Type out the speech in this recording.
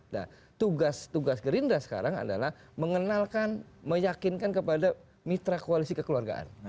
nah tugas tugas gerindra sekarang adalah mengenalkan meyakinkan kepada mitra koalisi kekeluargaan